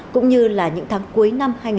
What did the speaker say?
cũng như là những tháng cuối năm hai nghìn hai mươi